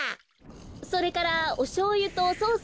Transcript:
それからおしょうゆとソース